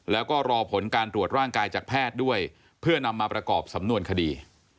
แล้วก็รอผลการตรวจร่างกายจากแพทย์ด้วยเพื่อนำมาประกอบสำนวนคดี